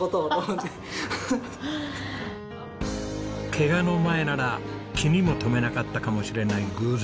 ケガの前なら気にも留めなかったかもしれない偶然。